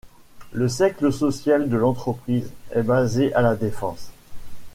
Le siège social de l'entreprise est basé à La Défense.